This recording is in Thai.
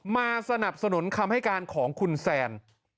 มาสนับสนุนคำให้การของคุณแซน